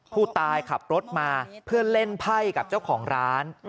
ผู้ตายขับรถมาเพื่อเล่นไพ่กับเจ้าของร้าน